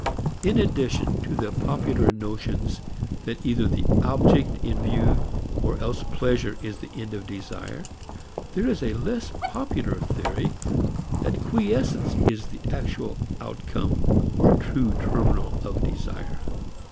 In addition to the popular notions that either the object in view or else pleasure is the end of desire, there is a less popular theory that quiescence is the actual outcome or true terminal of desire.